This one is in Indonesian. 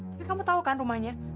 tapi kamu tahu kan rumahnya